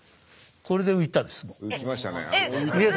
これで浮いたです。